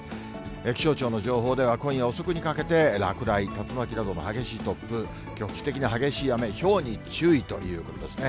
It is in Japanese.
気象庁の情報では、今夜遅くにかけて、落雷、竜巻などの激しい突風、局地的な激しい雨、ひょうに注意ということですね。